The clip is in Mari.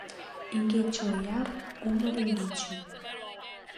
Игече ояр, умыр игече.